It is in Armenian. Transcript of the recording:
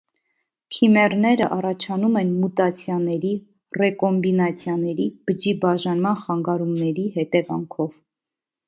Քիմեռները առաջանում են մուտացիաների, ռեկոմբինացիաների, բջջի բաժանման խանգարումների հետևանքով։